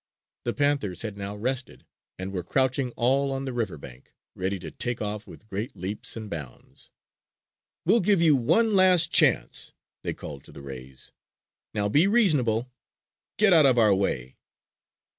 The panthers had now rested, and were crouching all on the river bank, ready to take off with great leaps and bounds. "We'll give you one last chance!" they called to the rays. "Now be reasonable! Get out of our way!"